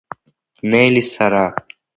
Нели, сара.